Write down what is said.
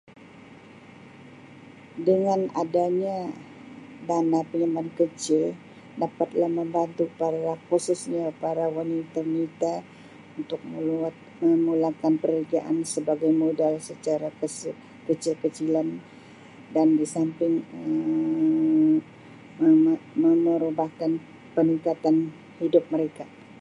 Dengan adanya dana [unintelligible] kecil dapatlah membantu para khususnya para wanita-wanita untuk membuat memulakan perniagaan sebagai modal secara kese-kecil-kecilan dan disamping Um me-merubahkan peningkatan hidup mereka